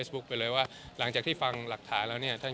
สอสอรของพลัวกภาพท่านเขียนท่าน